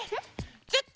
ちょっと。